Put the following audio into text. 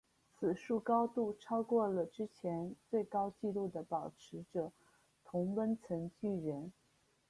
此树高度超过了之前最高纪录的保持者同温层巨人。